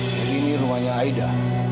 jadi ini rumahnya aida